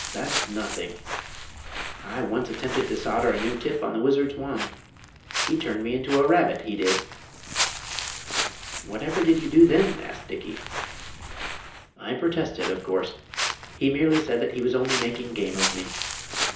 "That's nothing! I once attempted to solder a new tip on the Wizard's wand. He turned me into a rabbit, he did." "Whatever did you do then?" asked Dickey. "I protested, of course. He merely said that he was only making game of me.